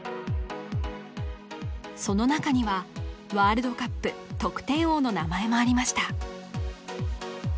その中にはワールドカップ得点王の名前もありました